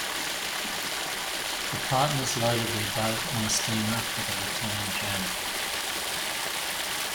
The partners loaded their boat on a steamer for the return journey.